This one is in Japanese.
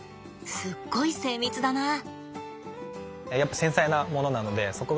すっごい精密だなあ。